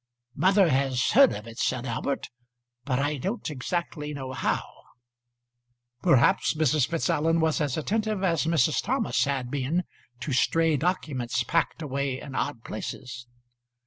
"Mother has heard of it," said Albert, "but I don't exactly know how." Perhaps Mrs. Fitzallen was as attentive as Mrs. Thomas had been to stray documents packed away in odd places.